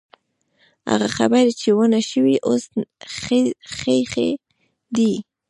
هغه خبرې چې ونه شوې، اوس ښخې دي.